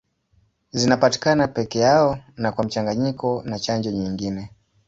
Zinapatikana peke yao na kwa mchanganyiko na chanjo nyingine.